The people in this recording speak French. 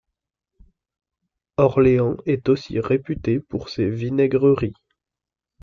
Orléans est aussi réputée pour ses vinaigreries.